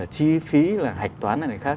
chi phí là hạch toán này này khác